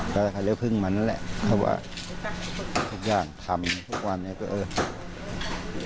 ก็เลยเรียกเพิ่งแบบนั้นแหละเพราะว่าทำอย่างทำทุกวันเนี่ยก็เอา